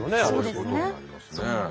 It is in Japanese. そうですね。